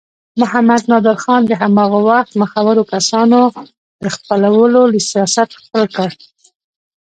محمد نادر خان د هماغه وخت مخورو کسانو د خپلولو سیاست خپل کړ.